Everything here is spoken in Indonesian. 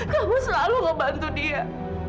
kamu selalu ngebantu dia